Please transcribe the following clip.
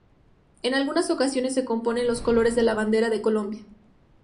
En algunas ocasiones se componen los colores de la bandera de Colombia.